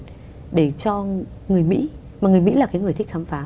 câu chuyện để cho người mỹ mà người mỹ là người thích khám phá